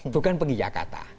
bukan penghias kata